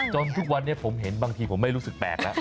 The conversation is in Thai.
ทุกวันนี้ผมเห็นบางทีผมไม่รู้สึกแปลกแล้ว